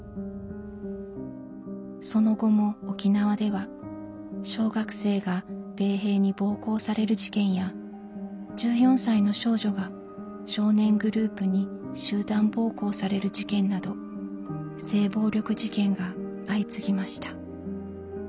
その後も沖縄では小学生が米兵に暴行される事件や１４歳の少女が少年グループに集団暴行される事件など性暴力事件が相次ぎました。